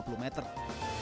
jangan lupa lembah harau